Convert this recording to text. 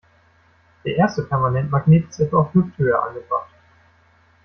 Der erste Permanentmagnet ist etwa auf Hüfthöhe angebracht.